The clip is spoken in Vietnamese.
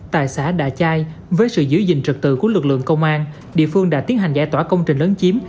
tại xã đạ chai với sự giữ gìn trật tự của lực lượng công an địa phương đã tiến hành giải tỏa công trình lấn chiếm